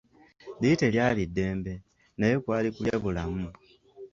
Liri teryali ddembe, naye kwali kulya bulamu!